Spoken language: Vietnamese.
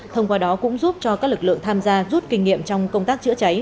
thông qua đó cũng giúp cho các lực lượng tham gia rút kinh nghiệm trong công tác chữa cháy